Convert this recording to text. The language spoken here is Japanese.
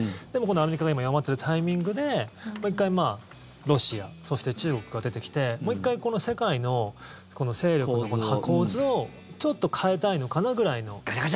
でも今度アメリカが弱ってるタイミングでもう１回、ロシアそして中国が出てきてもう１回、世界の勢力の構図をちょっと変えたいのかなくらいの。